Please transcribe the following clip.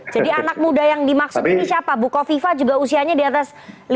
jadi anak muda yang dimaksud ini siapa bukoviva juga usianya di atas lima puluh